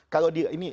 kalau di ini